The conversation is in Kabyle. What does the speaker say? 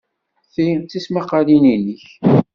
Ti d tismaqqalin-nnek?